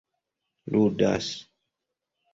ludas